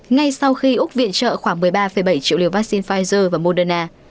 ngay sau khi úc viện trợ khoảng một mươi ba bảy triệu liều vaccine pfizer và moderna